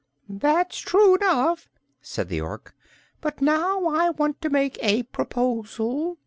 "That's true enough," said the Ork. "But now I want to make a proposal.